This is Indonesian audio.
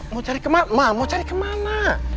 mau cari kemana mau cari kemana